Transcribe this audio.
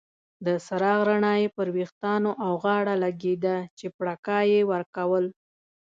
د څراغ رڼا یې پر ویښتانو او غاړه لګیده چې پرکا یې ورکول.